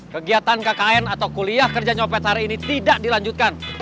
kegiatan kkn atau kuliah kerja nyopet hari ini tidak dilanjutkan